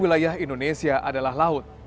wilayah indonesia adalah laut